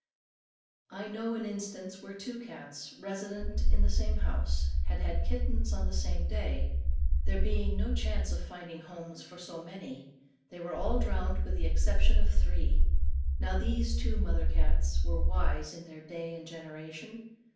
I know an instance where two cats, resident in the same house, had had kittens on the same day. There being no chance of finding homes for so many, they were all drowned with the exception of three. Now these two mother cats were wise in their day and generation.